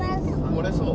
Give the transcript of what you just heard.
漏れそう？